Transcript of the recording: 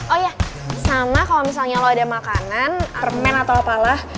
oh iya sama kalo misalnya lo ada makanan permen atau apalah